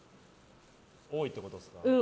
多いってことですか？